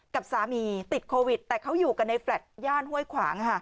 กับสามีติดโควิดแต่เขาอยู่กันในแฟลต์ย่านห้วยขวางค่ะ